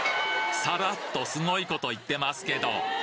サラッとすごいこと言ってますけど？